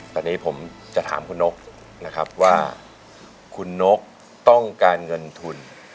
ตอนนี้ผมจะถามคุณนกนะครับว่าคุณนกต้องการเงินทุน